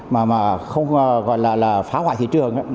mà không gọi là phá hoại thị trường